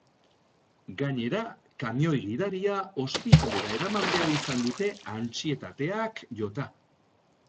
Gainera, kamioi-gidaria ospitalera eraman behar izan dute antsietateak jota.